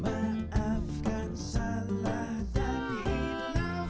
maafkan salah dan hilang